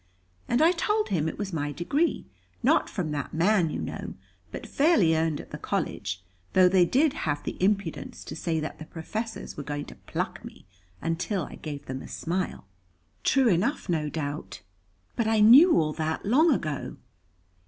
And I told him it was my degree, not from that man, you know, but fairly earned at the College; though they did have the impudence to say that the Professors were going to pluck me, until I gave them a smile." "True enough, no doubt. But I know all that long ago.